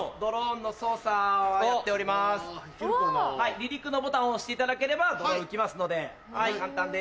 離陸のボタンを押していただければドローン浮きますので簡単です。